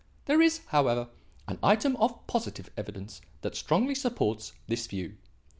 There is, however, an item of positive evidence that strongly supports this view.